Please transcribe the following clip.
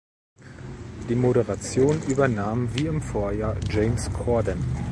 Die Moderation übernahm wie im Vorjahr James Corden.